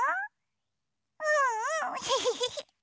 うんうんヘヘヘヘ！